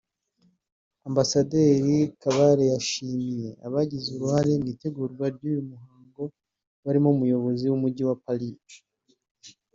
Ambasaderi Kabale yashimye abagize uruhare mu itegurwa ry’uyu muhango barimo Umuyobozi w’Umujyi wa Paris